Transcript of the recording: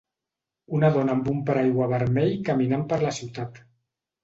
Una dona amb un paraigua vermell caminant per la ciutat.